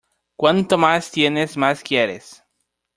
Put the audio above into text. Cuanto más tienes más quieres.